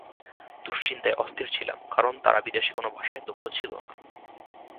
দুশ্চিন্তায় অস্থির ছিলাম, কারণ তারা বিদেশি কোনো ভাষায় দক্ষ ছিল না।